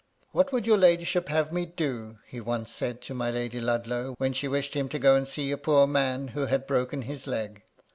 " What would your ladyship have me to do ?" he once said to my Lady Ludlow, when she wished him to go and see a poor man who had broken his leg.